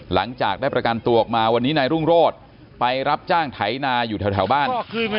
หลังจากได้ประกันตัวออกมาวันนี้นายรุ่งโรธไปรับจ้างไถนาอยู่แถวบ้าน